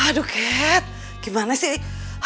aduh ket gimana sih